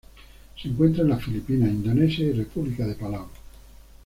Se encuentra en las Filipinas, Indonesia y República de Palau.